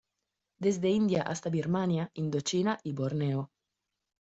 Desde India hasta Birmania, Indochina y Borneo.